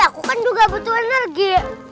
aku kan juga butuh energi